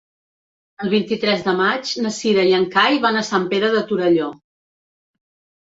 El vint-i-tres de maig na Cira i en Cai van a Sant Pere de Torelló.